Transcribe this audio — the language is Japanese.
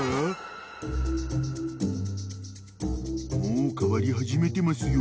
［もう変わり始めてますよ］